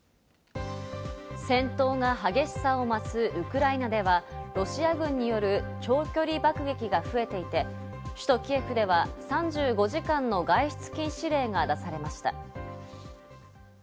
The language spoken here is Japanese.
戦闘が激しさを増すウクライナではロシア軍による長距離爆撃が増えていて、首都キエフでは３５時間の外出禁止令が出されました。